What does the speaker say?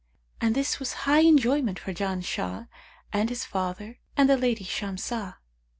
And this was high enjoyment for Janshah and his father and the lady Shamsah."